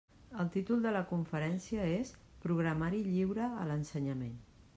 El títol de la conferència és «Programari Lliure a l'Ensenyament».